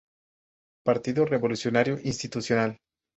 Partido Revolucionario Institucional.